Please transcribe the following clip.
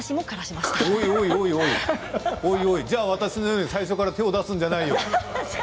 おいおい、そしたら私のように最初から手を出すんじゃないよ。